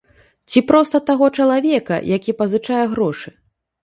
Ці проста таго чалавека, які пазычае грошы.